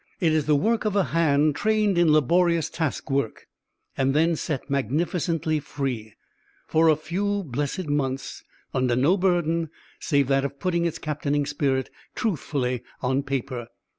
It is the work of a hand trained in laborious task work and then set magnificently free, for a few blessed months, under no burden save that of putting its captaining spirit truthfully on paper.